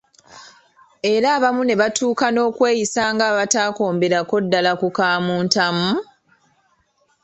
Era abamu ne batuuka n'okweyisa nga abatakomberako ddala ku ka muntamu?